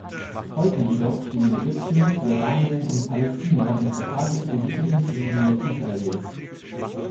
Heute jedoch stehen Ägypten, Jordanien und Palästina in vertraglich gesichertem Frieden mit Israel.